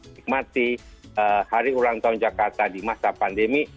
nikmati hari ulang tahun jakarta di masa pandemi